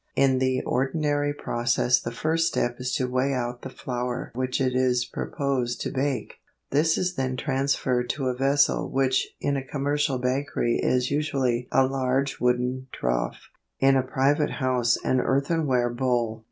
In the ordinary process the first step is to weigh out the flour which it is proposed to bake. This is then transferred to a vessel which in a commercial bakery is usually a large wooden trough, in a private house an earthenware bowl.